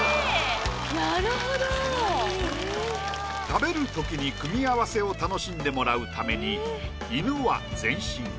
食べるときに組み合わせを楽しんでもらうために犬は全身。